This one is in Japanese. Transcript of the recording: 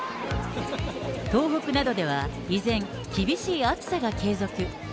東北などでは、依然、厳しい暑さが継続。